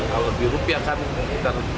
kalau di rupiahkan